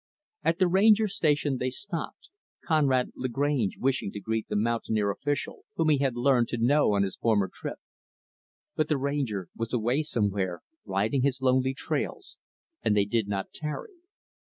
At the Ranger Station, they stopped Conrad Lagrange wishing to greet the mountaineer official, whom he had learned to know on his former trip. But the Ranger was away somewhere, riding his lonely trails, and they did not tarry.